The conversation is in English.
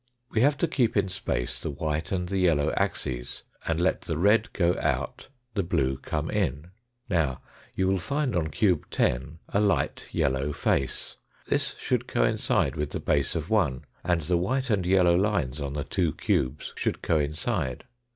We have to keep in space the white and the yellow axes, and let the red go out, the blue come in. Now, you will find on cube 10 a light yellow face ; this should coincide with the base of 1, and the white and yellow lines on the two cubes should coincide.